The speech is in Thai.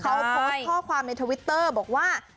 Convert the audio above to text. เขาโพสต์ข้อความในทวิตเตอร์บอกว่า